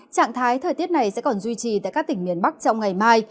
trạng thái thời tiết này sẽ còn duy trì tại các tỉnh miền bắc trong ngày mai